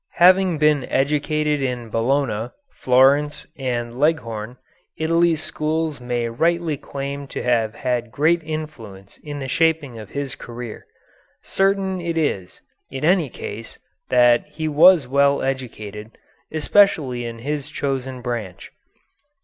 Having been educated in Bologna, Florence, and Leghorn, Italy's schools may rightly claim to have had great influence in the shaping of his career. Certain it is, in any case, that he was well educated, especially in his chosen branch.